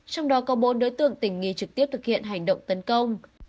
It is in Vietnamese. trong đó có bốn đối tượng tỉnh nghi trực tiếp thực hiện hành động tấn công